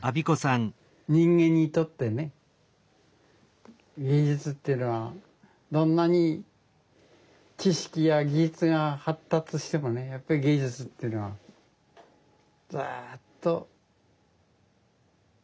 人間にとってね芸術っていうのはどんなに知識や技術が発達してもねやっぱり芸術っていうのはずっと。